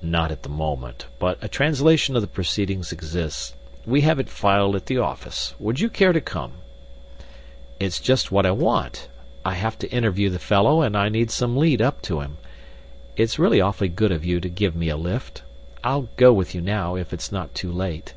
"Not at the moment, but a translation of the proceedings exists. We have it filed at the office. Would you care to come?" "It's just what I want. I have to interview the fellow, and I need some lead up to him. It's really awfully good of you to give me a lift. I'll go with you now, if it is not too late."